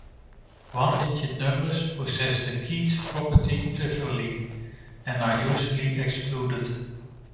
One-digit numbers possess the Keith property trivially, and are usually excluded.